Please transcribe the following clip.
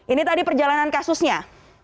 ini tadi perjalanan kasusnya